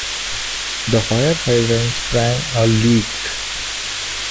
The fire hydrant sprang a leak.